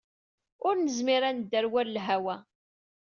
Ur nezmir ad nedder war lhawa.